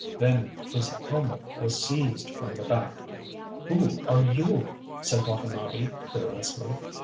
Then his helmet was seized from the back. ŌĆ£Who are you? ŌĆØ said Watanabe fearlessly.